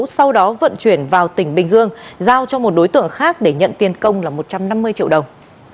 sau đó vận chuyển vào tỉnh bình dương giao cho một đối tượng khác để nhận tiền công là một trăm năm mươi triệu đồng